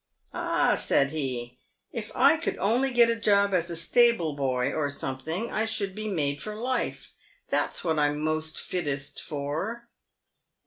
" Ah," said he, " if I could only get a job as a stable boy, or something, I should be made for life. That's what I'm most fittest for."